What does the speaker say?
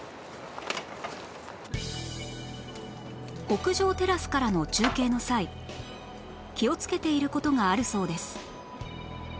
屋上テラスからの中継の際気をつけている事があるそうです